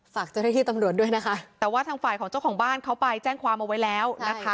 ฝากเจ้าหน้าที่ตำรวจด้วยนะคะแต่ว่าทางฝ่ายของเจ้าของบ้านเขาไปแจ้งความเอาไว้แล้วนะคะ